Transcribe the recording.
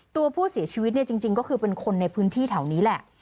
ตัวผู้เสียชีวิตเนี่ยจริงก็คือเป็นคนในพื้นที่แถวนี้แหละ